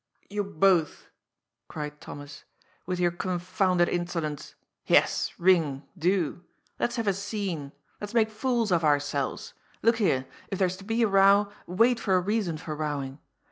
" C you both," cried Thomas, " with your con founded insolence. Yes, ring, do. Let's have a scene! Let's make fools of ourselves ! Look here, if there's to be 240 GOD'S FOOL. a row, wait for a reason for rowing.